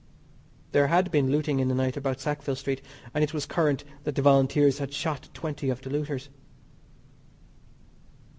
There had been looting in the night about Sackville Street, and it was current that the Volunteers had shot twenty of the looters.